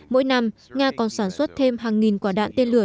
mỗi năm nga còn sản xuất thêm hàng nghìn quả đạn tên lửa